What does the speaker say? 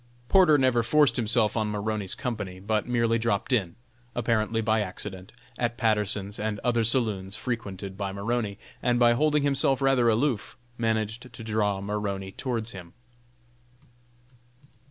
Porter never forced himself on Maroney's company, but merely dropped in, apparently by accident, at Patterson's and other saloons frequented by Maroney, and by holding himself rather aloof, managed to draw Maroney towards him.